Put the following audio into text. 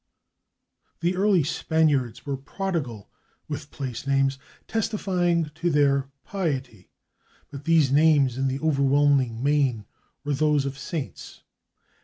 The early Spaniards were prodigal with place names testifying to their piety, but these names, in the overwhelming main, were those of saints.